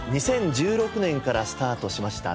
２０１６年からスタートしました